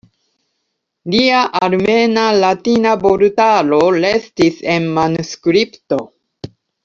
Lia armena-latina vortaro restis en manuskripto.